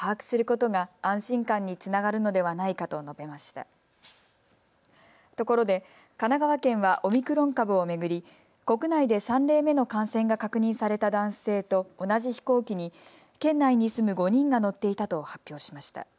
ところで神奈川県はオミクロン株を巡り国内で３例目の感染が確認された男性と同じ飛行機に県内に住む５人が乗っていたと発表しました。